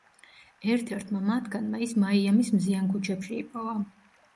ერთ-ერთმა მათგანმა ის მაიამის მზიან ქუჩებში იპოვა.